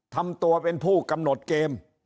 ทำตัวเป็นผู้กำหนดเกม